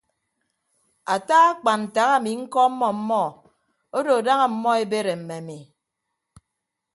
Ata akpan ntak ami ñkọọmmọ ọmmọ odo daña ọmmọ ebere mme ami.